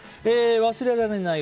忘れられない